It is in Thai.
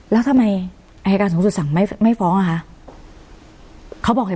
แล้วทำไมอายการสูงสุดสั่งไม่ไม่ฟ้องอ่ะคะเขาบอกเห็น